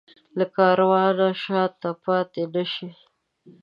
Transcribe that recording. له کاروانه شاته پاتې نه شي.